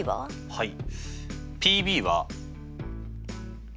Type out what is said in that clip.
はい。